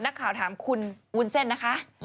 นักข่าวถามคุณวุ้นเส้นนะคะ